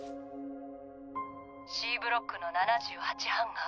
Ｃブロックの７８ハンガー。